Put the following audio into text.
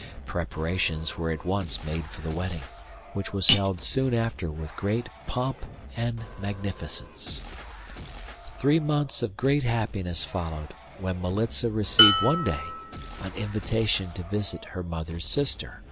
Preparations were at once made for the wedding, which was held soon after with great pomp and magnificence. Three months of great happiness followed, when Militza received one day an invitation to visit her mother's sister.